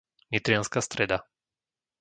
Nitrianska Streda